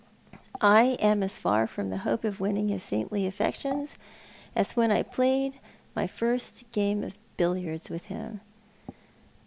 I am as far from the hope of winning his saintly affections as when I played my first game of billiards with him.